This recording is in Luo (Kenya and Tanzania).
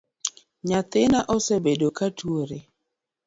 Nyathina osebedo ka tuore